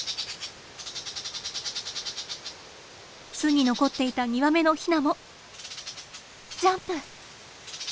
巣に残っていた２羽目のヒナもジャンプ！